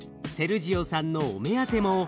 セルジオさんのお目当ても。